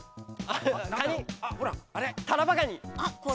カニタラバガニ！